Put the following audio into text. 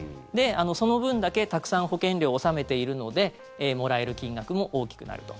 その分だけたくさん保険料を納めているのでもらえる金額も大きくなると。